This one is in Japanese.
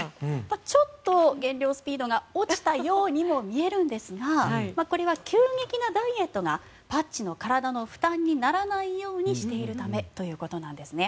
ちょっと減量スピードが落ちたようにも見えるんですがこれは急激なダイエットがパッチの体の負担にならないようにしているためだそうです。